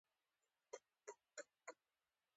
د راډیو د کرنې پروګرامونه اورئ؟